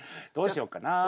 どうしようかな。